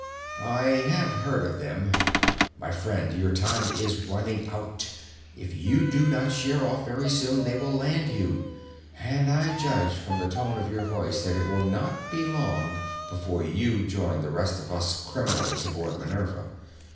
"I have heard of them. My friend, your time is running out. If you do not sheer off very soon they will land you. And I judge from the tone of your voice that it will not be long before you join the rest of us criminals aboard 'Minerva.